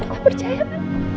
papa percaya pa